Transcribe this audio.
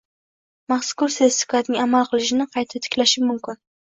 mazkur sertifikatning amal qilishini qayta tiklashi mumkin.